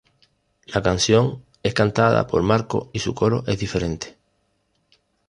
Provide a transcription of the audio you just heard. La canción es cantada por Marco y su coro es diferente.